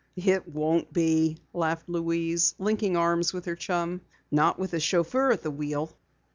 "It won't be," laughed Louise, linking arms with her chum. "Not with a chauffeur at the wheel."